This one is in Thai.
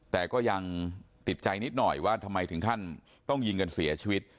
แต่ก็ยังติดใจนิดหน่อยว่าทำไมถึงขั้นต้องยิงกันเสียชีวิต